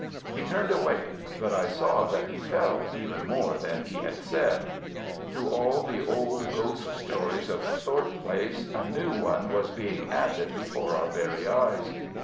He turned away, but I saw that he felt even more than he had said. To all the old ghost stories of Thorpe Place a new one was being added before our very eyes.